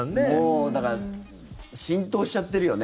もう、だから浸透しちゃってるよね。